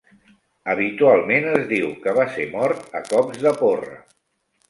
Habitualment, es diu que va ser mort a cops de porra.